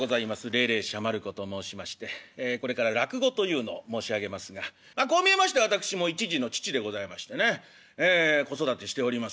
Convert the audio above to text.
鈴々舎馬ること申しましてこれから落語というのを申し上げますがこう見えまして私も１児の父でございましてねええ子育てしておりますよ。